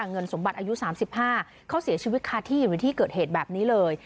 เงินสมบัติอายุ๓๕เขาเสียชีวิตคาที่อยู่ในที่เกิดเหตุแบบนี้เลย